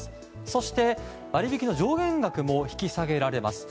そして、割引の上限額も引き下げられます。